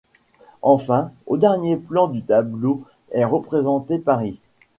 Enfin, au dernier plan du tableau est représenté Paris.